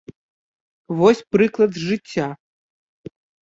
Вось прыклад з жыцця.